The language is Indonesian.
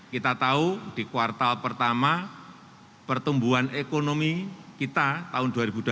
kita tahu di kuartal pertama pertumbuhan ekonomi kita tahun dua ribu dua puluh satu